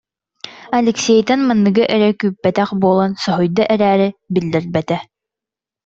Алексейтан манныгы эрэ күүппэтэх буолан соһуйда эрээри, биллэрбэтэ